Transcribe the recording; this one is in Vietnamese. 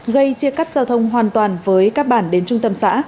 gây chia cắt giao thông hoàn toàn với các bản đến trung tâm xã